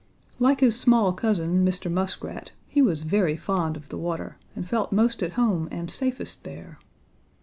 Like his small cousin, Mr. Muskrat, he was very fond of the water, and felt most at home and safest there.